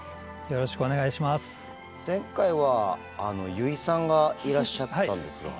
前回は油井さんがいらっしゃったんですが。